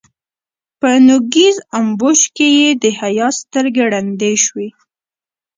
په نوږيز امبوش کې يې د حيا سترګې ړندې شوې.